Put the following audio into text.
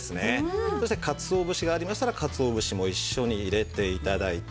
そしてかつお節がありましたらかつお節も一緒に入れて頂いて。